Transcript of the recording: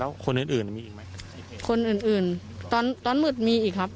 แล้วคนอื่นอื่นมีอีกไหมคนอื่นอื่นตอนตอนมืดมีอีกครับ